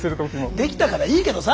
できたからいいけどさ。